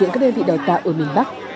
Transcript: quỹ vị đào tạo ở bình bắc